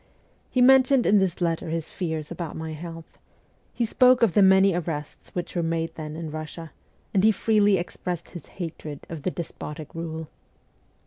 He mentioned in this letter his fears about my health ; he spoke of the many arrests which were made then in Russia ; and he freely expressed his hatred of the despotic rule.